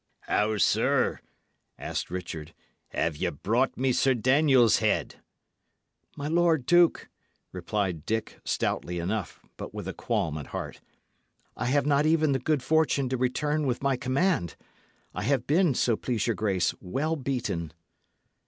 "How, sir?" asked Richard. "Have ye brought me Sir Daniel's head?" "My lord duke," replied Dick, stoutly enough, but with a qualm at heart, "I have not even the good fortune to return with my command. I have been, so please your grace, well beaten."